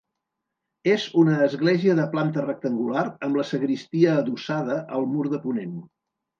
És una església de planta rectangular amb la sagristia adossada al mur de ponent.